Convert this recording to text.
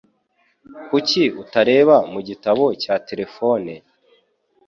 Kuki utareba mu gitabo cya terefone?